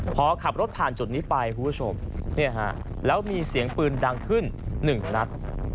พอขับรถผ่านจุดนี้ไปแล้วมีเสียงปืนดังขึ้น๑นัด